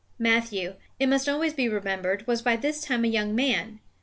Matthew, it must always be remembered, was by this time a young man.